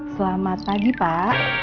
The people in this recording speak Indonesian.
selamat pagi pak